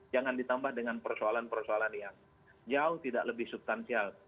jangan ditambah dengan persoalan persoalan yang jauh tidak lebih substansial